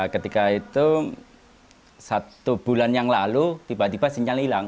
ketika itu satu bulan yang lalu tiba tiba sinyal hilang